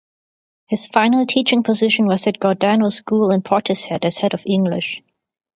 His final teaching position was at Gordano School in Portishead as Head of English.